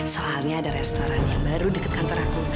soalnya ada restoran yang baru dekat kantor aku